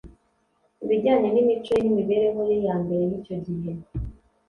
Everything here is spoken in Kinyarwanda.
ibijyanye n’imico ye n’imibereho ye ya mbere y’icyo gihe.